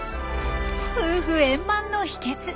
夫婦円満の秘けつ。